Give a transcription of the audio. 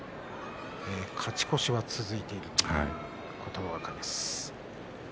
勝ち越しが続いている琴ノ若です。